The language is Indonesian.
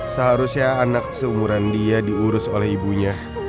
seharusnya anak seumuran dia diurus oleh ibunya